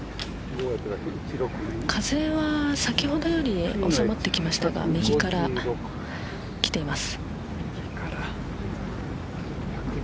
風は先ほどより収まってきましたが右からきています。